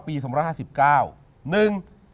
ปี๑๕๙นึง